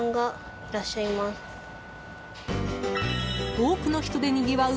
多くの人でにぎわう